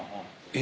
え？